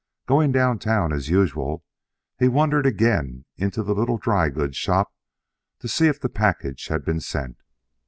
Going downtown as usual, he wandered again into the little dry goods shop to see if the package had been sent.